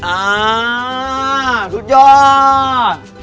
อ่าสุดยอด